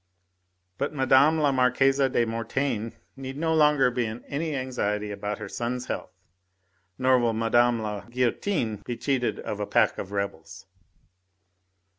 But Mme. la Marquise de Mortaine need no longer be in any anxiety about her son's health, nor will Mme. la Guillotine be cheated of a pack of rebels."